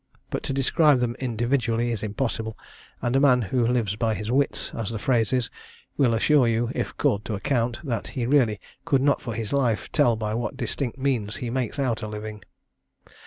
But to describe them individually is impossible; and a man who lives by his wits, as the phrase is, will assure you, if called to account, that he really could not for his life tell by what distinct means he makes out a living.